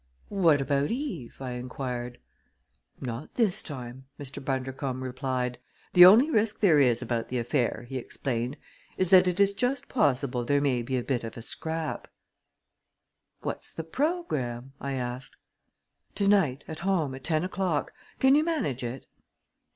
"What about Eve?" I inquired. "Not this time!" Mr. Bundercombe replied. "The only risk there is about the affair," he explained, "is that it is just possible there may be a bit of a scrap." "What's the program?" I asked. "To night, at home, at ten o'clock. Can you manage it?"